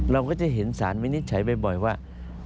เราก็จะเห็นสารวินิจฉัยบ่อยว่า